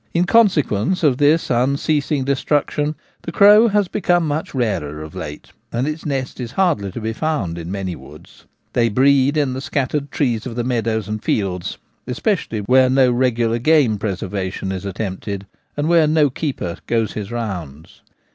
In consequence of this unceas ing destruction the crow has become much rarer of late, and its nest is hardly to be found in many woods. They breed in the scattered trees of the meadows and fields, especially where no regular game preservation is attempted, and where no keeper goes his rounds.